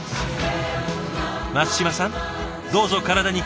松島さんどうぞ体に気をつけて。